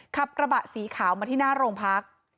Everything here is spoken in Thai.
ขับกระบะสีขาวมาที่หน้าโรงพัก